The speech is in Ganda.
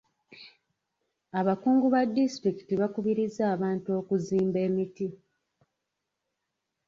Abakungu ba disitulikiti bakubirizza abantu okuzimba emiti.